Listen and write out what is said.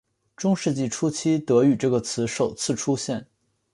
中世纪初期德语这个词首次出现。